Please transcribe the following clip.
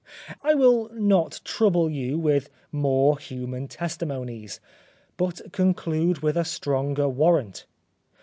I will not trouble you with more human testimonies, but conclude with a stronger warrant.